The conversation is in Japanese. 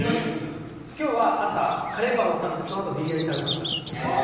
今日は朝カレーパンを食べてそのあとビリヤニ食べました。